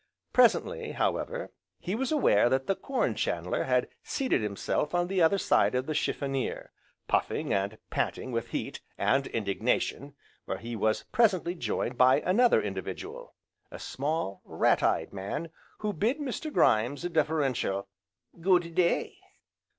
Presently, however, he was aware that the Corn chandler had seated himself on the other side of the chiffonier, puffing, and panting with heat, and indignation, where he was presently joined by another individual, a small, rat eyed man, who bid Mr. Grimes a deferential "Good day!"